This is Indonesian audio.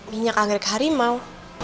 minyak anggrek harimau